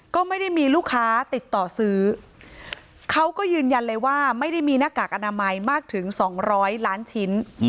ก็ไม่ได้มีลูกค้าติดต่อซื้อเขาก็ยืนยันเลยว่าไม่ได้มีหน้ากากอนามัยมากถึง๒๐๐ล้านชิ้น